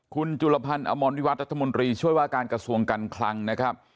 คุณจุลพันธ์อมรวิวัตรรัฐมนตรีช่วยว่าการกระทรวงการคลังนะครับ